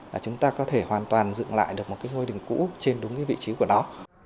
là chúng ta có thể hoàn toàn dựng lại được một cái ngôi đình cũ trên đúng cái vị trí của nó